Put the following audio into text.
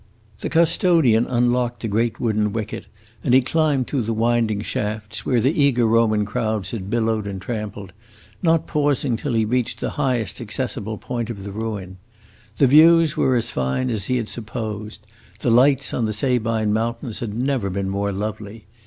The custodian unlocked the great wooden wicket, and he climbed through the winding shafts, where the eager Roman crowds had billowed and trampled, not pausing till he reached the highest accessible point of the ruin. The views were as fine as he had supposed; the lights on the Sabine Mountains had never been more lovely.